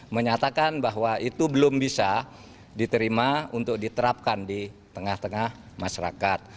menyatakan bahwa itu belum bisa diterima untuk diterapkan di tengah tengah masyarakat